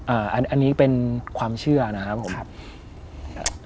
อันนี้เป็นความเชื่อนะครับผม